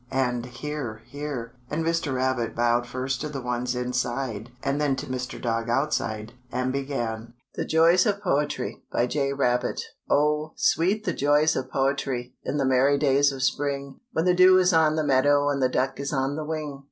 and "Hear, hear!" and Mr. Rabbit bowed first to the ones inside and then to Mr. Dog outside, and began: THE JOYS OF POETRY. BY J. RABBIT. Oh, sweet the joys of poetry In the merry days of spring, When the dew is on the meadow And the duck is on the wing!